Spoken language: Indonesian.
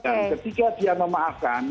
dan ketika dia memaafkan